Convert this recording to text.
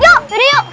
yuk yuk yuk